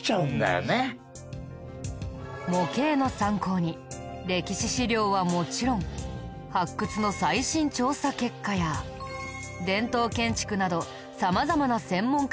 模型の参考に歴史史料はもちろん発掘の最新調査結果や伝統建築など様々な専門家にも取材。